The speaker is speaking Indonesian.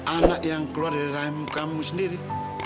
anak yang keluar dari rahim kamu sendiri